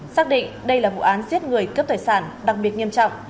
xác định đây là vụ án giết người cướp tài sản đặc biệt nghiêm trọng